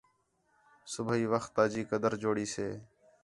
صُبیح وخت تا جی قدر جوڑی سے